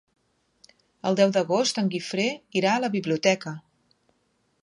El deu d'agost en Guifré irà a la biblioteca.